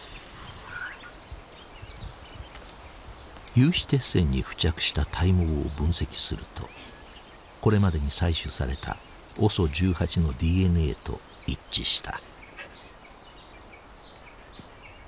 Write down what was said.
有刺鉄線に付着した体毛を分析するとこれまでに採取されたＯＳＯ１８のＤＮＡと一致した。